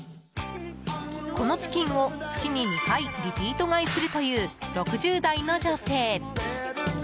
このチキンを月に２回リピート買いするという６０代の女性。